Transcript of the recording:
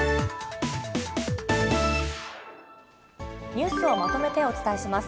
ニュースをまとめてお伝えします。